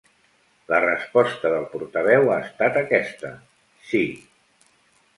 La resposta del portaveu ha estat aquesta: Sí.